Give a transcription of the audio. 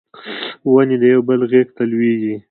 ونې د یو بل غیږ ته لویږي